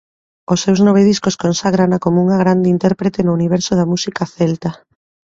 Os seus nove discos conságrana como unha grande intérprete no universo da música celta.